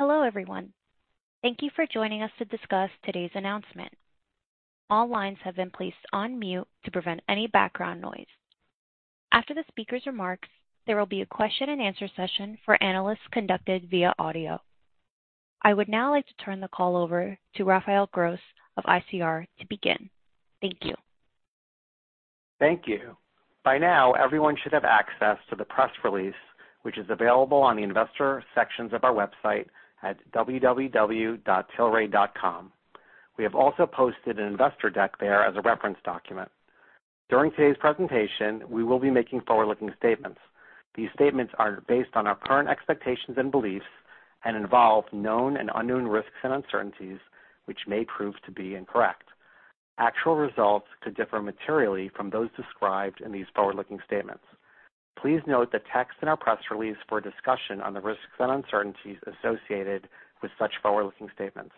Hello, everyone. Thank you for joining us to discuss today's announcement. All lines have been placed on mute to prevent any background noise. After the speaker's remarks, there will be a question and answer session for analysts conducted via audio. I would now like to turn the call over to Raphael Gross of ICR to begin. Thank you. Thank you. By now, everyone should have access to the press release, which is available on the investor sections of our website at www.tilray.com. We have also posted an investor deck there as a reference document. During today's presentation, we will be making forward-looking statements. These statements are based on our current expectations and beliefs and involve known and unknown risks and uncertainties, which may prove to be incorrect. Actual results could differ materially from those described in these forward-looking statements. Please note the text in our press release for a discussion on the risks and uncertainties associated with such forward-looking statements.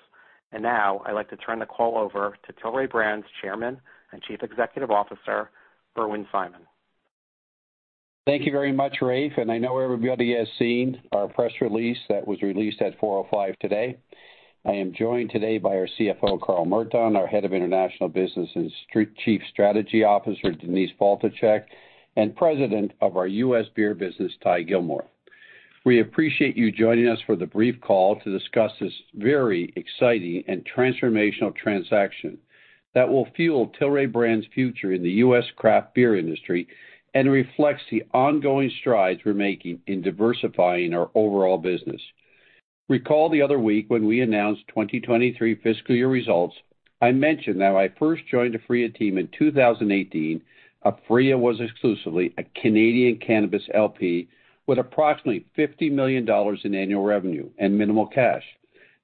Now, I'd like to turn the call over to Tilray Brands Chairman and Chief Executive Officer, Irwin Simon. Thank you very much, Raph, and I know everybody has seen our press release that was released at 4:05 P.M. today. I am joined today by our CFO, Carl Merton, our Head of International Business and Chief Strategy Officer, Denise Faltischek, and President of our U.S. Beer business, Ty Gilmore. We appreciate you joining us for the brief call to discuss this very exciting and transformational transaction that will fuel Tilray Brands' future in the U.S. craft beer industry and reflects the ongoing strides we're making in diversifying our overall business. Recall the other week when we announced 2023 fiscal year results, I mentioned that when I first joined Aphria team in 2018, Aphria was exclusively a Canadian cannabis LP with approximately $50 million in annual revenue and minimal cash.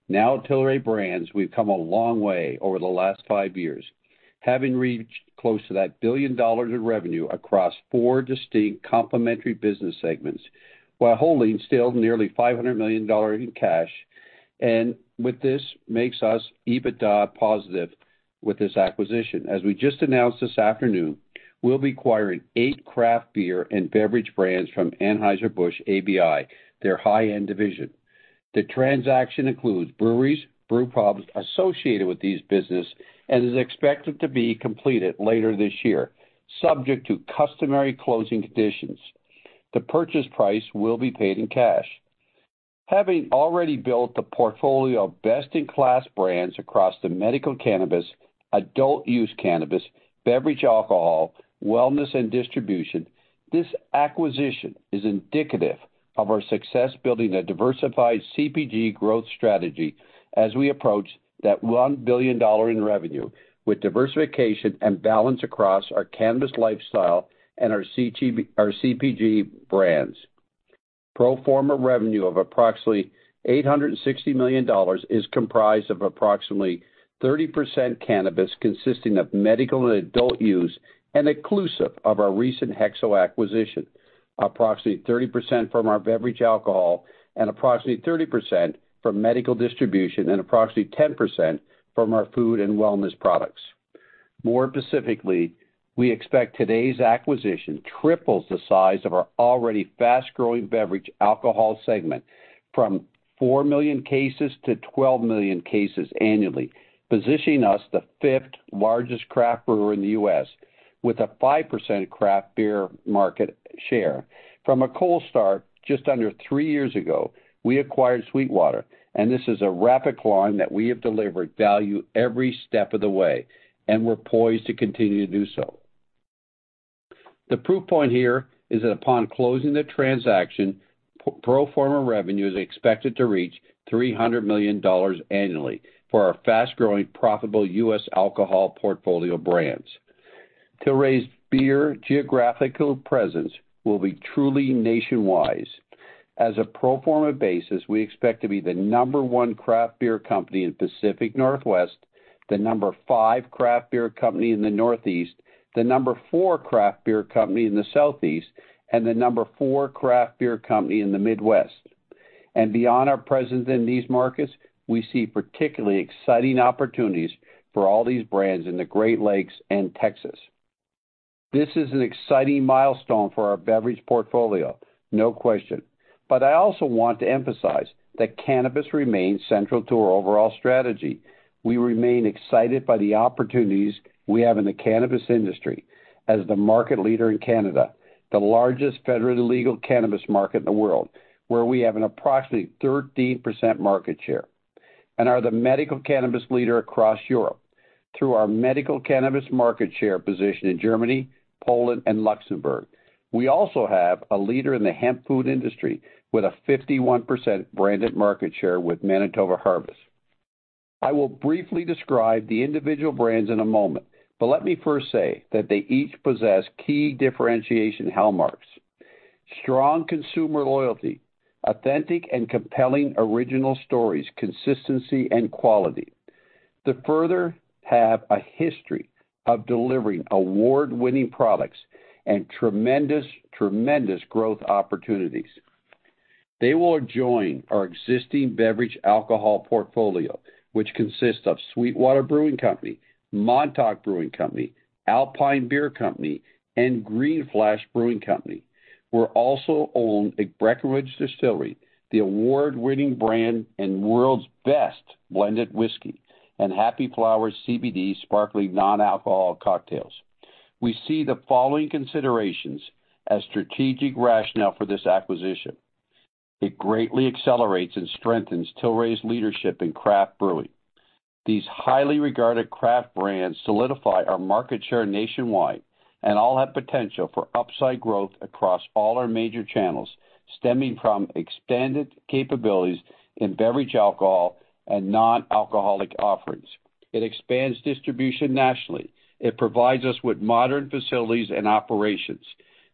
At Tilray Brands, we've come a long way over the last five years, having reached close to $1 billion in revenue across four distinct complementary business segments, while holding still nearly $500 million in cash, and with this makes us EBITDA positive with this acquisition. As we just announced this afternoon, we'll be acquiring 8 craft beer and beverage brands from Anheuser-Busch ABI, their high-end division. The transaction includes breweries, brew pubs associated with these business and is expected to be completed later this year, subject to customary closing conditions. The purchase price will be paid in cash. Having already built a portfolio of best-in-class brands across the medical cannabis, adult use cannabis, beverage alcohol, wellness, and distribution, this acquisition is indicative of our success building a diversified CPG growth strategy as we approach that $1 billion in revenue, with diversification and balance across our cannabis lifestyle and our CPG brands. Pro forma revenue of approximately $860 million is comprised of approximately 30% cannabis, consisting of medical and adult use, and inclusive of our recent HEXO acquisition, approximately 30% from our beverage alcohol, and approximately 30% from medical distribution, and approximately 10% from our food and wellness products. More specifically, we expect today's acquisition triples the size of our already fast-growing beverage alcohol segment from 4 million cases to 12 million cases annually, positioning us the fifth-largest craft brewer in the U.S., with a 5% craft beer market share. From a cold start, just under 3 years ago, we acquired SweetWater. This is a rapid line that we have delivered value every step of the way, and we're poised to continue to do so. The proof point here is that upon closing the transaction, pro forma revenue is expected to reach $300 million annually for our fast-growing, profitable U.S. alcohol portfolio brands. Tilray's beer geographical presence will be truly nationwide. As a pro forma basis, we expect to be the number one craft beer company in Pacific Northwest, the number five craft beer company in the Northeast, the number four craft beer company in the Southeast, and the number four craft beer company in the Midwest. Beyond our presence in these markets, we see particularly exciting opportunities for all these brands in the Great Lakes and Texas. This is an exciting milestone for our beverage portfolio, no question. I also want to emphasize that cannabis remains central to our overall strategy. We remain excited by the opportunities we have in the cannabis industry as the market leader in Canada, the largest federally legal cannabis market in the world, where we have an approximately 13% market share, and are the medical cannabis leader across Europe through our medical cannabis market share position in Germany, Poland, and Luxembourg. We also have a leader in the hemp food industry with a 51% branded market share with Manitoba Harvest. I will briefly describe the individual brands in a moment, but let me first say that they each possess key differentiation hallmarks, strong consumer loyalty, authentic and compelling original stories, consistency, and quality. They further have a history of delivering award-winning products and tremendous, tremendous growth opportunities. They will join our existing beverage alcohol portfolio, which consists of SweetWater Brewing Company, Montauk Brewing Company, Alpine Beer Company, and Green Flash Brewing Company. We're also owned by Breckenridge Distillery, the award-winning brand and world's best blended whiskey, and Happy Flower CBD sparkling non-alcoholic cocktails. We see the following considerations as strategic rationale for this acquisition. It greatly accelerates and strengthens Tilray's leadership in craft brewing. These highly regarded craft brands solidify our market share nationwide and all have potential for upside growth across all our major channels, stemming from expanded capabilities in beverage, alcohol, and non-alcoholic offerings. It expands distribution nationally. It provides us with modern facilities and operations.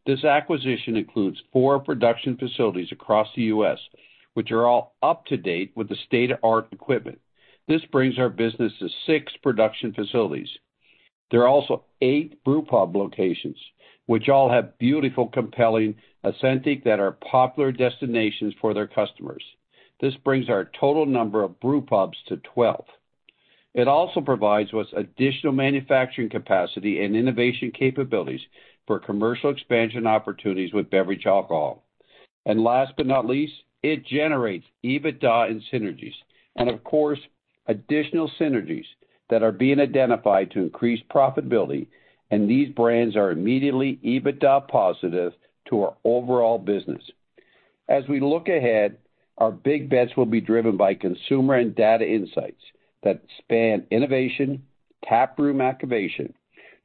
This acquisition includes 4 production facilities across the U.S., which are all up-to-date with state-of-the-art equipment. This brings our business to 6 production facilities. There are also 8 brewpub locations, which all have beautiful, compelling aesthetics that are popular destinations for their customers. This brings our total number of brewpubs to 12. It also provides us with additional manufacturing capacity and innovation capabilities for commercial expansion opportunities with beverage alcohol. Last but not least, it generates EBITDA and synergies, and of course, additional synergies that are being identified to increase profitability. These brands are immediately EBITDA positive to our overall business. As we look ahead, our big bets will be driven by consumer and data insights that span innovation, taproom activation,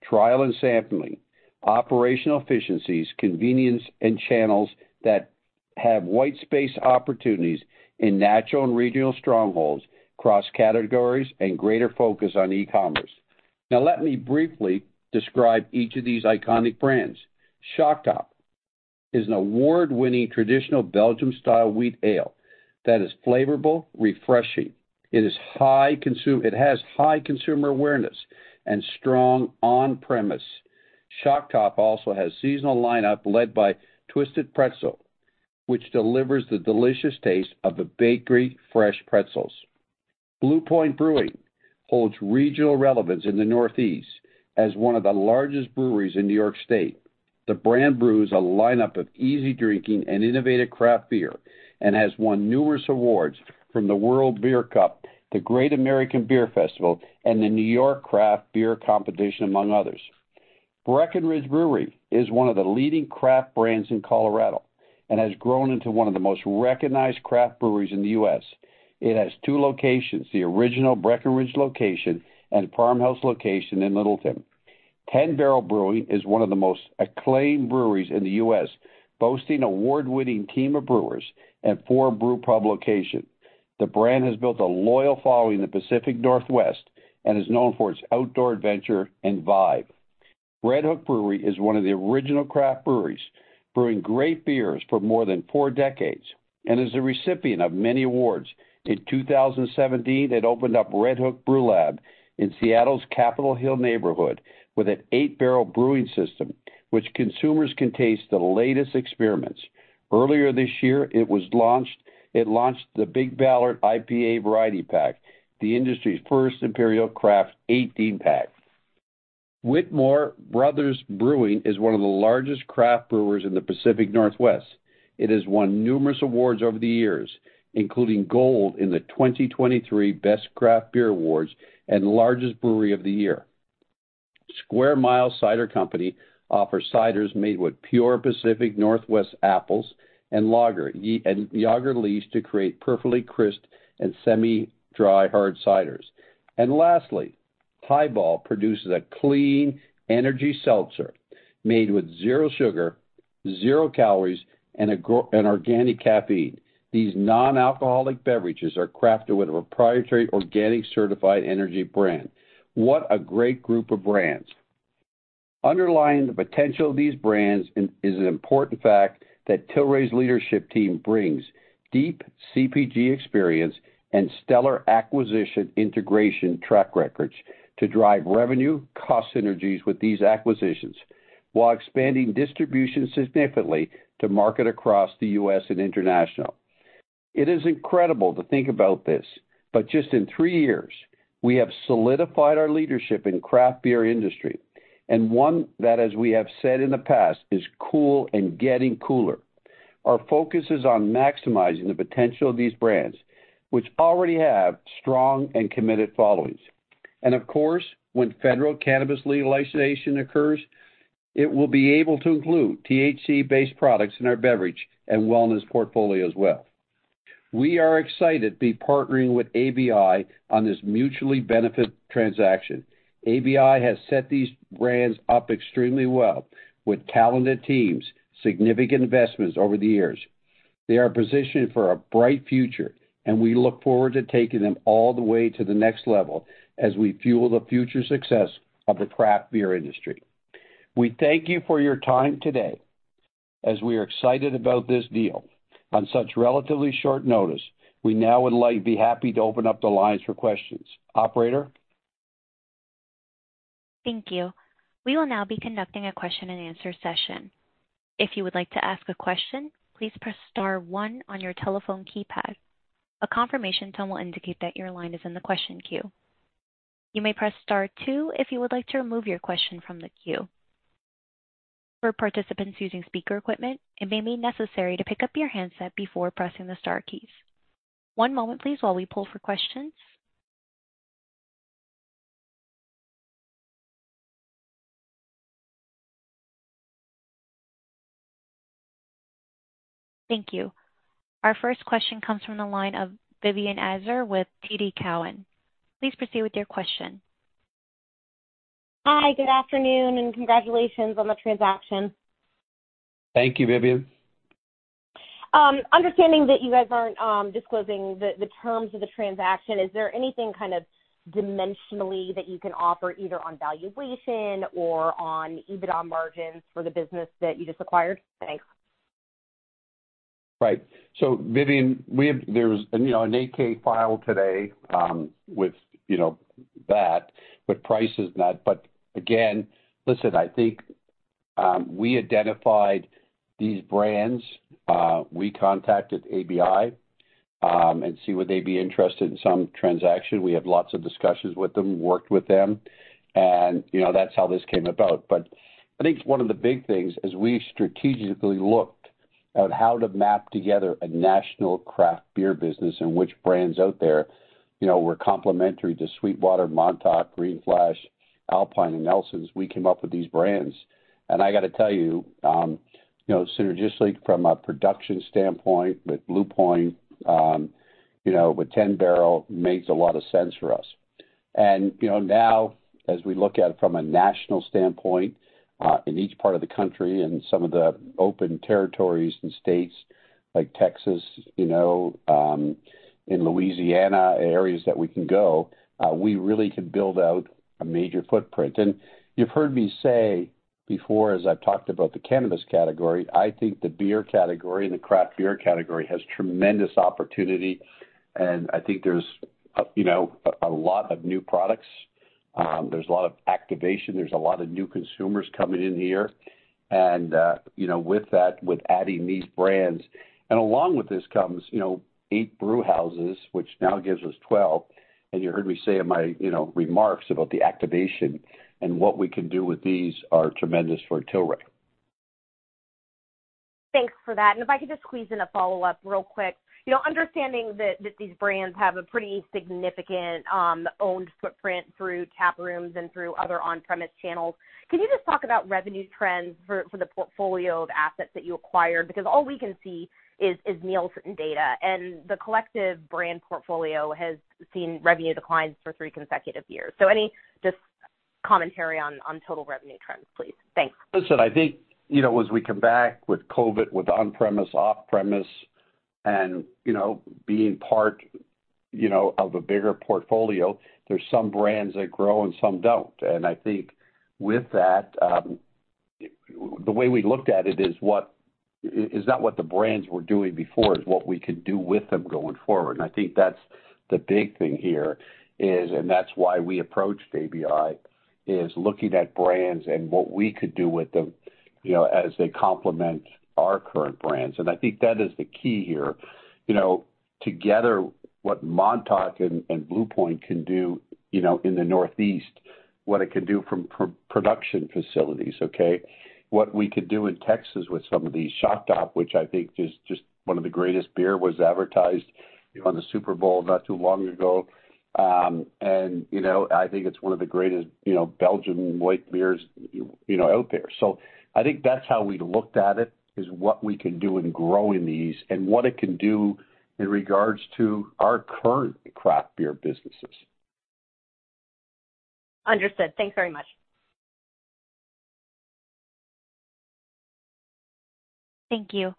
trial and sampling, operational efficiencies, convenience, and channels that have white space opportunities in natural and regional strongholds, across categories, and greater focus on e-commerce. Let me briefly describe each of these iconic brands. Shock Top is an award-winning traditional Belgian-style wheat ale that is flavorable, refreshing. It has high consumer awareness and strong on-premise. Shock Top also has a seasonal lineup led by Twisted Pretzel, which delivers the delicious taste of the bakery fresh pretzels. Blue Point Brewing holds regional relevance in the Northeast as one of the largest breweries in New York State. The brand brews a lineup of easy drinking and innovative craft beer, and has won numerous awards from the World Beer Cup, the Great American Beer Festival, and the New York Craft Beer Competition, among others. Breckenridge Brewery is one of the leading craft brands in Colorado and has grown into one of the most recognized craft breweries in the U.S. It has 2 locations, the original Breckenridge location and Farmhouse location in Littleton. 10 Barrel Brewing is one of the most acclaimed breweries in the U.S., boasting an award-winning team of brewers and 4 brewpub locations. The brand has built a loyal following in the Pacific Northwest and is known for its outdoor adventure and vibe. Redhook Brewery is one of the original craft breweries, brewing great beers for more than 4 decades and is a recipient of many awards. In 2017, it opened up Redhook Brewlab in Seattle's Capitol Hill neighborhood with an 8-barrel brewing system, which consumers can taste the latest experiments. Earlier this year, it launched the Big Ballard IPA variety pack, the industry's first Imperial Craft 18-pack. Widmer Brothers Brewing is one of the largest craft brewers in the Pacific Northwest. It has won numerous awards over the years, including Gold in the 2023 Best Craft Beer Awards and Largest Brewery of the Year. Square Mile Cider Company offers ciders made with pure Pacific Northwest apples and lager yeast to create perfectly crisp and semi-dry hard ciders. Lastly, HiBall produces a clean energy seltzer made with zero sugar, zero calories, and organic caffeine. These non-alcoholic beverages are crafted with a proprietary, organic, certified energy brand. What a great group of brands! Underlying the potential of these brands is an important fact that Tilray's leadership team brings deep CPG experience and stellar acquisition integration track records to drive revenue, cost synergies with these acquisitions, while expanding distribution significantly to market across the U.S. and international. It is incredible to think about this, but just in three years, we have solidified our leadership in the craft beer industry, and one that, as we have said in the past, is cool and getting cooler. Our focus is on maximizing the potential of these brands, which already have strong and committed followings. Of course, when federal cannabis legalization occurs, it will be able to include THC-based products in our beverage and wellness portfolio as well. We are excited to be partnering with ABI on this mutually beneficial transaction. ABI has set these brands up extremely well with talented teams, significant investments over the years. They are positioned for a bright future, and we look forward to taking them all the way to the next level as we fuel the future success of the craft beer industry. We thank you for your time today as we are excited about this deal. On such relatively short notice, we now would like to be happy to open up the lines for questions. Operator? Thank you. We will now be conducting a question and answer session. If you would like to ask a question, please press star one on your telephone keypad. A confirmation tone will indicate that your line is in the question queue. You may press star two if you would like to remove your question from the queue. For participants using speaker equipment, it may be necessary to pick up your handset before pressing the star keys. One moment, please, while we pull for questions. Thank you. Our first question comes from the line of Vivien Azer with TD Cowen. Please proceed with your question. Hi, good afternoon, and congratulations on the transaction. Thank you, Vivien. Understanding that you guys aren't disclosing the, the terms of the transaction, is there anything kind of dimensionally that you can offer, either on valuation or on EBITDA margins for the business that you just acquired? Thanks. Right. Vivien, we have - there's, you know, an 8-K file today, with, you know, that, but price is not. Again, listen, I think, we identified these brands. We contacted ABI, and see would they be interested in some transaction. We had lots of discussions with them, worked with them, and, you know, that's how this came about. I think one of the big things, as we strategically looked at how to map together a national craft beer business and which brands out there, you know, were complementary to SweetWater, Montauk, Green Flash, Alpine, and Nelson, we came up with these brands. I got to tell you, you know, synergistically, from a production standpoint, with Blue Point, you know, with 10 Barrel, makes a lot of sense for us. You know, now, as we look at it from a national standpoint, in each part of the country and some of the open territories and states like Texas, you know, in Louisiana, areas that we can go, we really can build out a major footprint. You've heard me say before, as I've talked about the cannabis category, I think the beer category and the craft beer category has tremendous opportunity, and I think there's a lot of new products. There's a lot of activation, there's a lot of new consumers coming in here. With that, with adding these brands, and along with this comes 8 brewhouses, which now gives us 12. You heard me say in my remarks about the activation and what we can do with these are tremendous for Tilray. Thanks for that. If I could just squeeze in a follow-up real quick. You know, understanding that, that these brands have a pretty significant owned footprint through tap rooms and through other on-premise channels, can you just talk about revenue trends for, for the portfolio of assets that you acquired? Because all we can see is Nielsen data, and the collective brand portfolio has seen revenue declines for three consecutive years. Any just commentary on total revenue trends, please. Thanks. Listen, I think, you know, as we come back with COVID, with on-premise, off-premise, and, you know, being part, you know, of a bigger portfolio, there's some brands that grow and some don't. I think with that, the way we looked at it is, what... Is not what the brands were doing before, is what we could do with them going forward. I think that's the big thing here is, and that's why we approached ABI, is looking at brands and what we could do with them, you know, as they complement our current brands. I think that is the key here. You know, together, what Montauk and Blue Point can do, you know, in the Northeast, what it can do from production facilities, okay? What we could do in Texas with some of these Shock Top, which I think is just one of the greatest beer, was advertised, you know, on the Super Bowl not too long ago. You know, I think it's one of the greatest, you know, Belgian white beers, you know, out there. I think that's how we looked at it, is what we can do in growing these and what it can do in regards to our current craft beer businesses. Understood. Thanks very much. Thank you.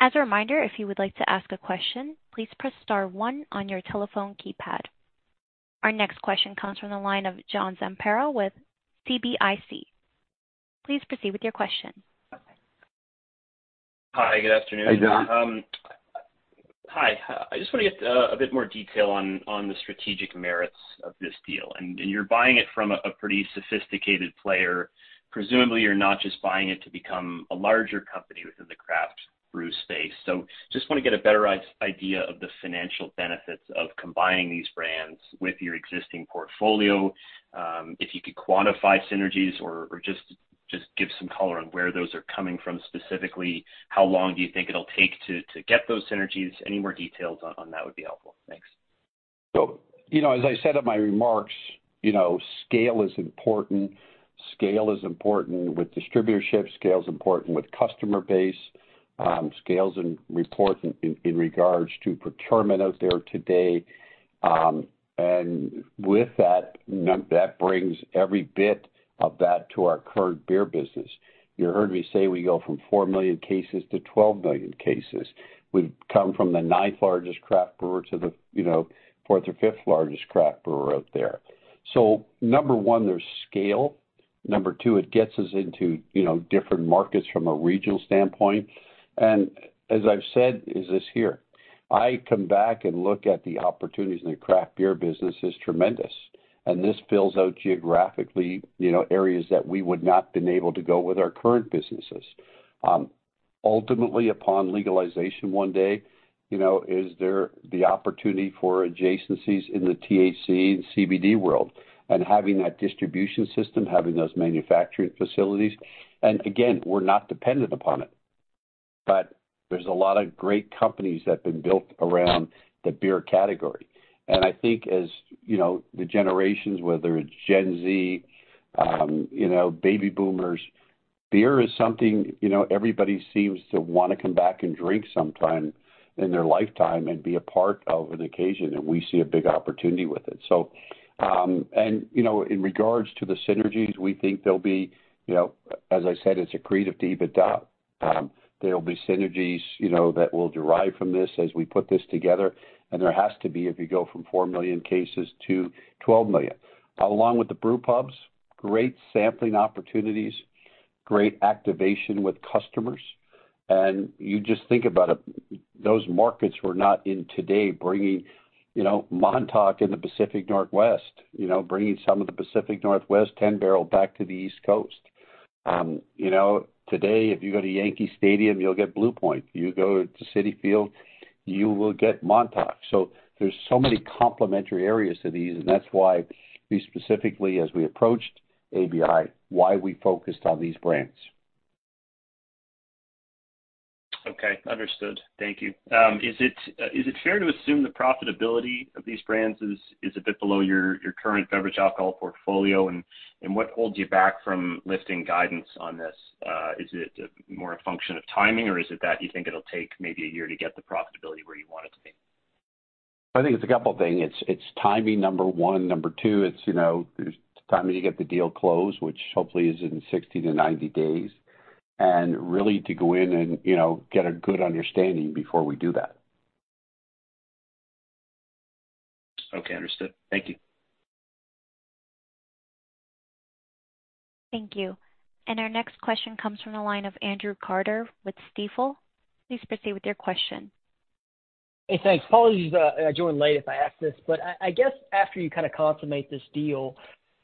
As a reminder, if you would like to ask a question, please press star one on your telephone keypad. Our next question comes from the line of John Zamparo with CIBC. Please proceed with your question. Hi, good afternoon. Hi, John. Hi. I just want to get a bit more detail on the strategic merits of this deal. You're buying it from a pretty sophisticated player. Presumably, you're not just buying it to become a larger company within the craft brew space. Just want to get a better idea of the financial benefits of combining these brands with your existing portfolio. If you could quantify synergies or just give some color on where those are coming from specifically. How long do you think it'll take to get those synergies? Any more details on that would be helpful. Thanks. You know, as I said in my remarks, you know, scale is important. Scale is important with distributorship, scale is important with customer base, scale is in report in, in regards to procurement out there today. With that, that brings every bit of that to our current beer business. You heard me say we go from 4 million cases to 12 million cases. We've come from the 9th largest craft brewer to the, you know, 4th or 5th largest craft brewer out there. Number 1, there's scale. Number 2, it gets us into, you know, different markets from a regional standpoint. As I've said, is this here, I come back and look at the opportunities in the craft beer business is tremendous, and this fills out geographically, you know, areas that we would not been able to go with our current businesses. Ultimately, upon legalization one day, you know, is there the opportunity for adjacencies in the THC and CBD world and having that distribution system, having those manufacturing facilities? Again, we're not dependent upon it, but there's a lot of great companies that have been built around the beer category. I think as, you know, the generations, whether it's Gen Z, you know, baby boomers, beer is something, you know, everybody seems to wanna come back and drink sometime in their lifetime and be a part of an occasion, and we see a big opportunity with it. In regards to the synergies, we think there'll be, you know, as I said, it's accretive to EBITDA. There will be synergies, you know, that will derive from this as we put this together, and there has to be if you go from 4 million cases to 12 million. Along with the brew pubs, great sampling opportunities, great activation with customers. You just think about it, those markets we're not in today, bringing, you know, Montauk in the Pacific Northwest, you know, bringing some of the Pacific Northwest 10 Barrel back to the East Coast. You know, today, if you go to Yankee Stadium, you'll get Blue Point. You go to Citi Field, you will get Montauk. There's so many complementary areas to these, and that's why we specifically, as we approached ABI, why we focused on these brands. Okay, understood. Thank you. Is it, is it fair to assume the profitability of these brands is, is a bit below your, your current beverage alcohol portfolio? What holds you back from lifting guidance on this? Is it more a function of timing, or is it that you think it'll take maybe 1 year to get the profitability where you want it to be? I think it's a couple of things. It's timing, number 1. Number 2, it's, you know, timing to get the deal closed, which hopefully is in 60-90 days, and really to go in and, you know, get a good understanding before we do that. Okay, understood. Thank you. Thank you. Our next question comes from the line of Andrew Carter with Stifel. Please proceed with your question. Hey, thanks. Apologies, I joined late if I asked this, but I guess after you kinda consummate this deal, will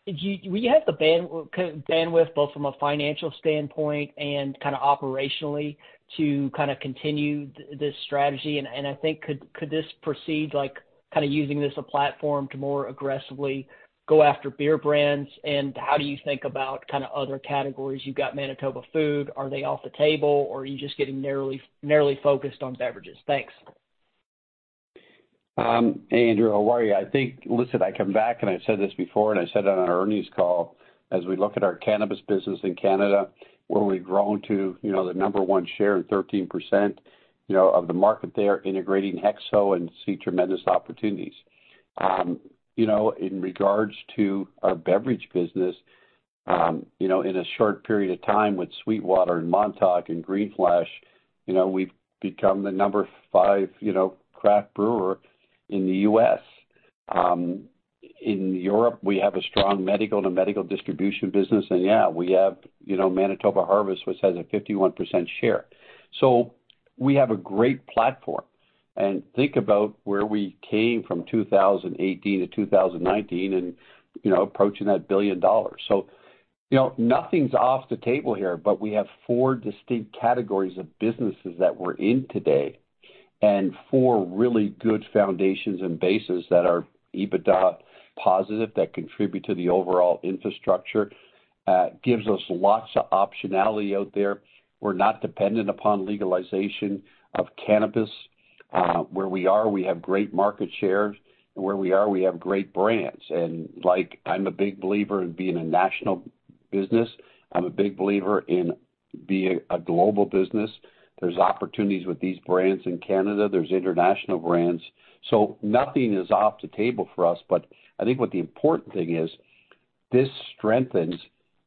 you have the bandwidth, both from a financial standpoint and kinda operationally, to kind of continue this strategy? And I think, could this proceed, like, kind of using this a platform to more aggressively go after beer brands? How do you think about kinda other categories? You've got Manitoba food. Are they off the table, or are you just getting narrowly, narrowly focused on beverages? Thanks. Andrew, how are you? I think, listen, I come back, and I've said this before, and I said it on our earnings call. As we look at our cannabis business in Canada, where we've grown to, you know, the number 1 share in 13%, you know, of the market there, integrating HEXO and see tremendous opportunities. You know, in regards to our beverage business, you know, in a short period of time with SweetWater and Montauk and Green Flash, you know, we've become the number 5, you know, craft brewer in the U.S. In Europe, we have a strong medical and a medical distribution business, and yeah, we have, you know, Manitoba Harvest, which has a 51% share. We have a great platform, and think about where we came from, 2018 to 2019, and, you know, approaching that $1 billion. You know, nothing's off the table here, but we have four distinct categories of businesses that we're in today, and four really good foundations and bases that are EBITDA positive, that contribute to the overall infrastructure. Gives us lots of optionality out there. We're not dependent upon legalization of cannabis. Where we are, we have great market share, and where we are, we have great brands. Like, I'm a big believer in being a national business. I'm a big believer in being a global business. There's opportunities with these brands in Canada. There's international brands. Nothing is off the table for us, but I think what the important thing is, this strengthens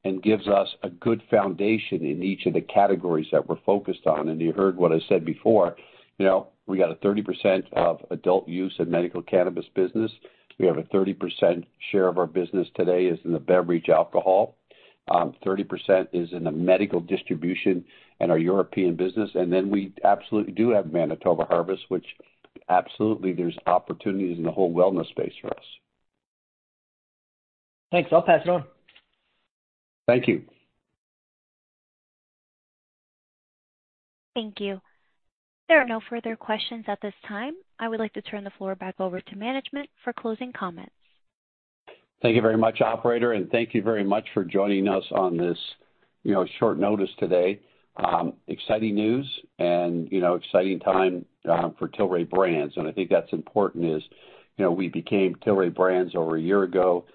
and gives us a good foundation in each of the categories that we're focused on. You heard what I said before, you know, we got a 30% of adult use in medical cannabis business. We have a 30% share of our business today is in the beverage alcohol. 30% is in the medical distribution and our European business. We absolutely do have Manitoba Harvest, which absolutely there's opportunities in the whole wellness space for us. Thanks. I'll pass it on. Thank you. Thank you. There are no further questions at this time. I would like to turn the floor back over to management for closing comments. Thank you very much, operator, and thank you very much for joining us on this, you know, short notice today. Exciting news and, you know, exciting time for Tilray Brands, and I think that's important is, you know, we became Tilray Brands over a year ago.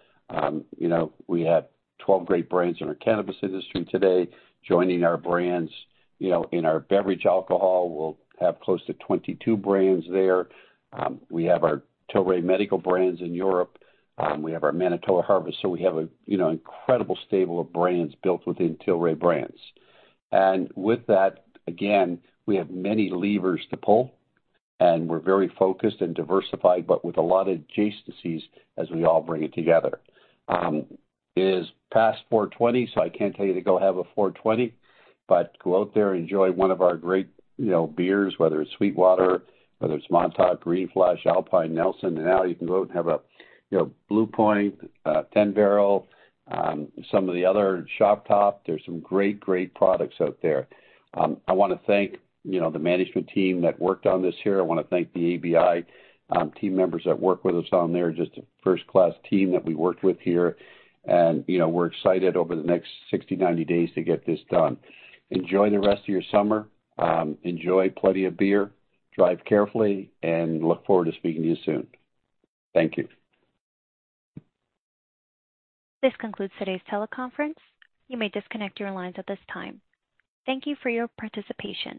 You know, we have 12 great brands in our cannabis industry today. Joining our brands, you know, in our beverage alcohol, we'll have close to 22 brands there. We have our Tilray Medical brands in Europe. We have our Manitoba Harvest, so we have a, you know, incredible stable of brands built within Tilray Brands. With that, again, we have many levers to pull, and we're very focused and diversified, but with a lot of adjacencies as we all bring it together. It is past 4:20, so I can't tell you to go have a 4:20, but go out there and enjoy one of our great, you know, beers, whether it's SweetWater, whether it's Montauk, Green Flash, Alpine, Nelson. Now you can go out and have a, you know, Blue Point, 10 Barrel, some of the other Shock Top. There's some great, great products out there. I wanna thank, you know, the management team that worked on this here. I wanna thank the ABI team members that worked with us on there, just a first-class team that we worked with here. You know, we're excited over the next 60, 90 days to get this done. Enjoy the rest of your summer, enjoy plenty of beer, drive carefully, and look forward to speaking to you soon. Thank you. This concludes today's teleconference. You may disconnect your lines at this time. Thank you for your participation.